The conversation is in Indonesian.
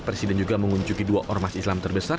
presiden juga mengunjungi dua ormas islam terbesar